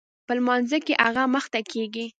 په لمانځه کښې هغه مخته کېږي.